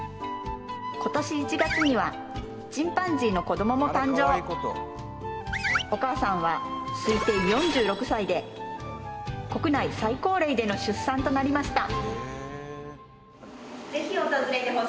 今年１月にはチンパンジーの子供も誕生お母さんは推定４６歳で国内最高齢での出産となりました